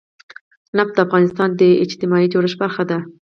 نفت د افغانستان د اجتماعي جوړښت برخه ده.